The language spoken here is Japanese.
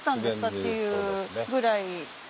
っていうぐらい。